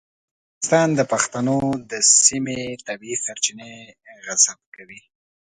پاکستان د پښتنو د سیمې طبیعي سرچینې غصب کوي.